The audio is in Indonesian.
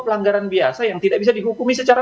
pelanggaran biasa yang tidak bisa dihukumi secara